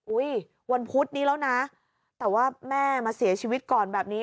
วันพุธนี้แล้วนะแต่ว่าแม่มาเสียชีวิตก่อนแบบนี้